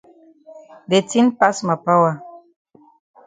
De tin pass ma power.